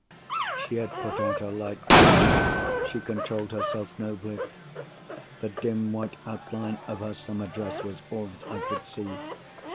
She had put out her light. She controlled herself nobly. The dim white outline of her summer dress was all that I could see.